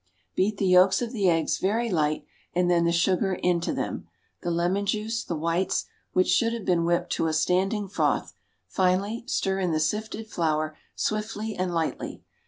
Beat the yolks of the eggs very light and then the sugar into them; the lemon juice; the whites, which should have been whipped to a standing froth;—finally, stir in the sifted flour swiftly and lightly.